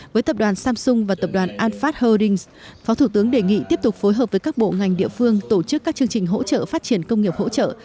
với tập đoàn samsung và tập đoàn alphard holdings phó thủ tướng đề nghị tiếp tục phối hợp với các bộ ngành địa phương tổ chức các chương trình hỗ trợ phát triển công nghiệp hỗ trợ